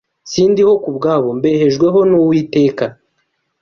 Sindiho ku bwabo mbehejweho nuwiteka